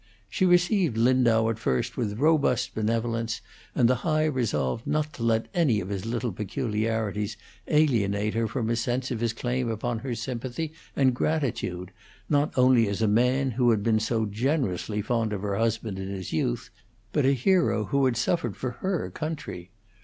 She received Lindau at first with robust benevolence, and the high resolve not to let any of his little peculiarities alienate her from a sense of his claim upon her sympathy and gratitude, not only as a man who had been so generously fond of her husband in his youth, but a hero who had suffered for her country.